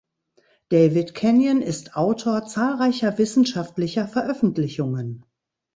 David Kenyon ist Autor zahlreicher wissenschaftlicher Veröffentlichungen.